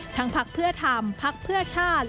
ทั้งภาคเพื่อธรรมภาคเพื่อชาติ